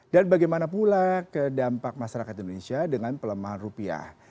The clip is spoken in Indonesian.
dan bagaimana pula ke dampak masyarakat indonesia dengan pelemahan rupiah